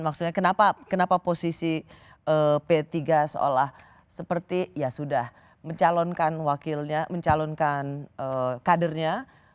maksudnya kenapa posisi p tiga seolah seperti ya sudah mencalonkan wakilnya mencalonkan kadernya